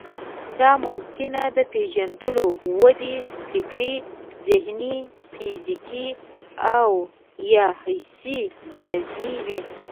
دا ممکن د پېژندلو، ودې، فکري، ذهني، فزيکي او يا حسي بې نظمي وي.